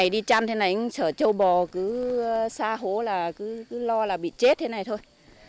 đi trăn thế này sở trâu bò cứ xa hố là cứ lo là bị chết thế này thôi